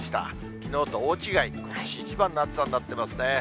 きのうと大違い、ことし一番の暑さになってますね。